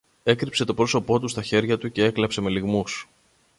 έκρυψε το πρόσωπο του στα χέρια του κι έκλαψε με λυγμούς.